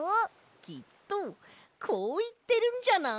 きっとこういってるんじゃない？